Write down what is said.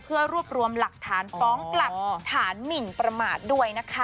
เพื่อรวบรวมหลักฐานฟ้องกลับฐานหมินประมาทด้วยนะคะ